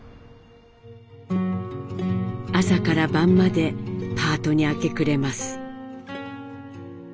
朝から晩までパートに明け暮れます。